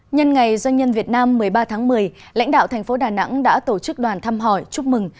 nhân ngày doanh nhân việt nam một mươi ba tháng một mươi lãnh đạo thành phố đà nẵng đã tổ chức đoàn thăm hỏi chúc mừng